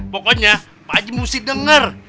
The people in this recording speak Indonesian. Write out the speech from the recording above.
pokoknya pak g mesti denger